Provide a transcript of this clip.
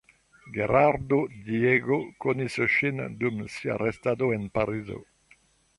Gerardo Diego konis ŝin dum sia restado en Parizo.